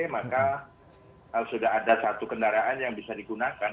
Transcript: maka sudah ada satu kendaraan yang bisa digunakan